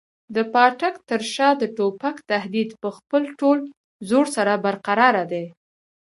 د پاټک تر شا د توپک تهدید په خپل ټول زور سره برقراره دی.